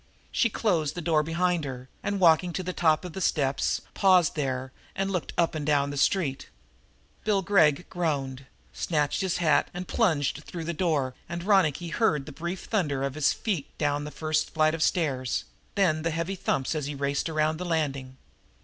She closed the door behind her and, walking to the top of the steps, paused there and looked up and down the street. Bill Gregg groaned, snatched his hat and plunged through the door, and Ronicky heard the brief thunder of his feet down the first flight of stairs, then the heavy thumps, as he raced around the landing.